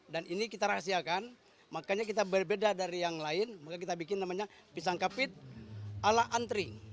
dan ini kita rahasiakan makanya kita berbeda dari yang lain makanya kita bikin namanya pisang kapik ala antri